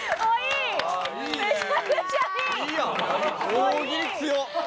大喜利強っ！